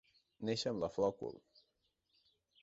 Néixer amb la flor al cul.